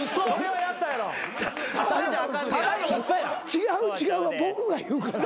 「違う違う」は僕が言うから。